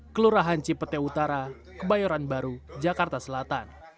kelurahan cipete utara kebayoran baru jakarta selatan